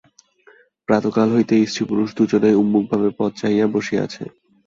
প্রাতঃকাল হইতে স্ত্রীপুরুষ দুইজনে উন্মুখভাবে পথ চাহিয়া বসিয়া আছেন।